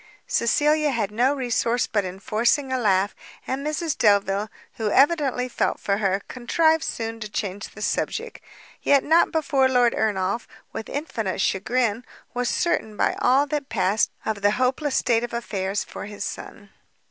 Cecilia had no resource but in forcing a laugh, and Mrs Delvile, who evidently felt for her, contrived soon to change the subject; yet not before Lord Ernolf, with infinite chagrin, was certain by all that passed of the hopeless state of affairs for his son.